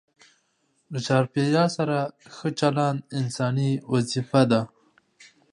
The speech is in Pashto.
له چاپیریال سره ښه چلند انساني وظیفه ده.